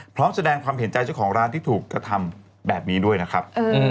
พร้อมแสดงความเห็นใจเจ้าของร้านที่ถูกกระทำแบบนี้ด้วยนะครับ